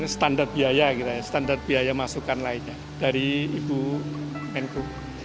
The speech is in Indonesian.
standar biaya standar biaya masukan lainnya dari ibu menku